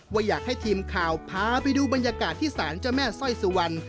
ว่าอยากให้ทีมข่าวพาไปดูบรรยากาศที่ศาลเจ้าแม่สร้อยสุวรรณ